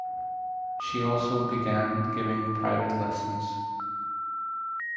She also began giving private lessons.